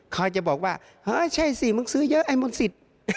คอยจะบอกว่าใช่สิมึงซื้อเยอะไอมนต์สิทธิ์